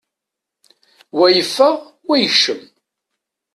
Wa yeffeɣ, wa yekcem.